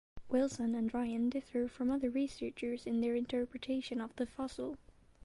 Wilson and Ryan differ from other researchers in their interpretation of the fossil.